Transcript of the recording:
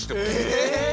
え？